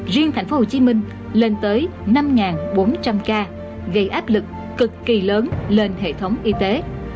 riêng tp hcm lên tới năm bốn trăm linh ca gây áp lực cực kỳ lớn lên hệ thống y tế